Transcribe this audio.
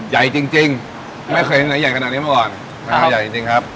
ใหญ่จริงจริงไม่เคยไหนใหญ่ขนาดนี้มาก่อนนะครับใหญ่จริงจริงครับ